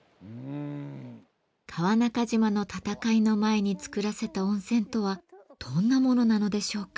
川中島の戦いの前につくらせた温泉とはどんなものなのでしょうか？